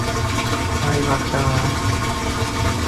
High, বাচ্চারা!